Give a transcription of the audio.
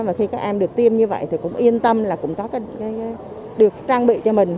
mà khi các em được tiêm như vậy thì cũng yên tâm là cũng có được trang bị cho mình